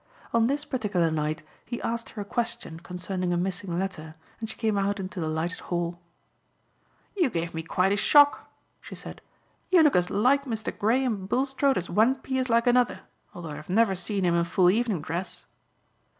On this particular night he asked her a question concerning a missing letter and she came out into the lighted hall. "You gave me quite a shock," she said. "You look as like Mr. Graham Bulstrode as one pea is like another, although I've never seen him in full evening dress."